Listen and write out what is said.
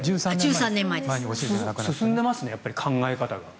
進んでますね、考え方が。